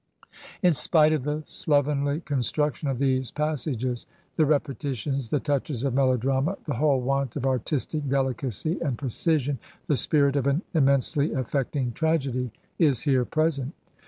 In spite of the slovenly construction of these pas sages, the repetitions, the touches of melodrama, the whole want of artistic delicacy and precision, the spirit of an immensely affecting tragedy is here present.